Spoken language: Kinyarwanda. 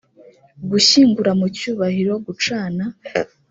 gushyingura mu cyubahiro gucana